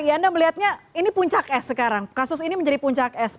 ya anda melihatnya ini puncak es sekarang kasus ini menjadi puncak es